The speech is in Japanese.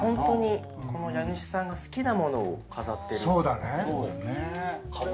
家主さんが好きなものを飾っている。